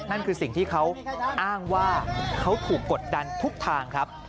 นั่นคือสิ่งที่เขาอ้างว่าเขาถูกกดดันทุกทางครับ